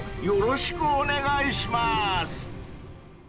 よろしくお願いします！］